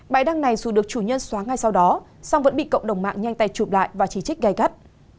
bài đăng này dù được chủ nhân xóa ngay sau đó song vẫn bị cộng đồng mạng nhanh tay chụp lại và chỉ trích gây gắt